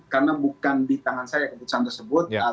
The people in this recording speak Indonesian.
karena bukan di tangan saya keputusan tersebut